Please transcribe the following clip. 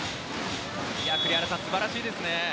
栗原さん、素晴らしいですね。